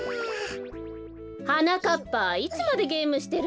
はなかっぱいつまでゲームしてるの？